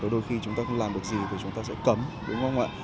đôi khi chúng ta không làm được gì thì chúng ta sẽ cấm đúng không ạ